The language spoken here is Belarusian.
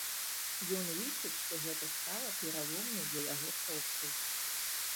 Ён лічыць, што гэта стала пераломнай для яго кропкай.